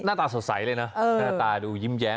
หน้าตาสว่าใสเลยนะดูยิ้มแย้ม